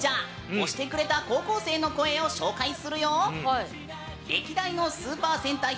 推してくれた高校生の声を紹介するよ！